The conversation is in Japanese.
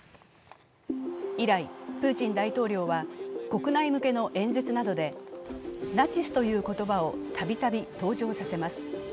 以来、プーチン大統領は国内向けの演説などで「ナチス」という言葉をたびたび登場させます。